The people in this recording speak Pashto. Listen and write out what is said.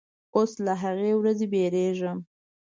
اوس له هغې ورځې بیریږم